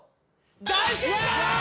大正解！